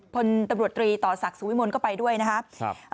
พลตำรวจตรีต่อศักดิ์สุวิมลก็ไปด้วยนะครับ